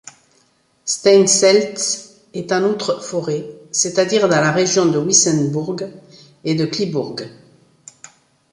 Steinseltz est en Outre-Forêt, c'est-à-dire dans la région de Wissembourg et de Cleebourg.